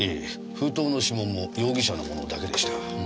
封筒の指紋も容疑者のものだけでした。